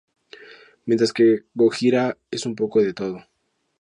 Mientras que Gojira es un poco de todo.